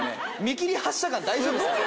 見切り発車感大丈夫ですか？